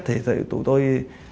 thì tụi tôi